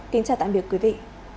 xin chào và hẹn gặp lại